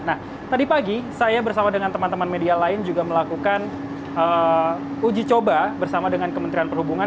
nah tadi pagi saya bersama dengan teman teman media lain juga melakukan uji coba bersama dengan kementerian perhubungan